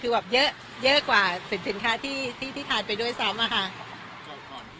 คือแบบเยอะเยอะกว่าสินค้าที่ทานไปด้วยซ้ำอะค่ะ